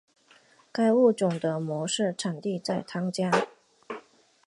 该物种的模式产地在汤加。